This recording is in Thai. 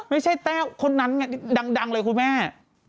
แต้วคนนั้นไงดังเลยคุณแม่